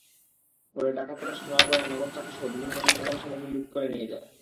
পরে ডাকাতেরা সোনার গয়না, নগদ টাকাসহ বিভিন্ন মূল্যবান সামগ্রী লুট করে নিয়ে যায়।